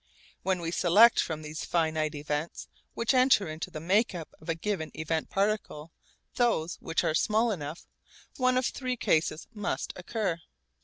When we select from these finite events which enter into the make up of a given event particle those which are small enough, one of three cases must occur.